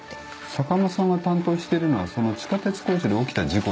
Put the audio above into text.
坂間さんが担当してるのはその地下鉄工事で起きた事故なんだよね。